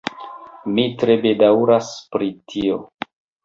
Mi tre bedaŭras pri tio.